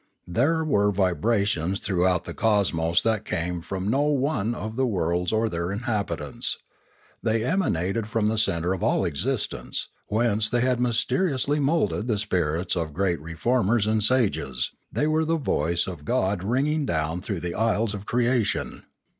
There were vibrations throughout the cosmos that came from no one of the worlds or their inhabitants. They emanated from the centre of all existence, whence they had mysteriously moulded the spirits of great reformers and sages; they were the voice of God ringing down through the aisles of crea tion.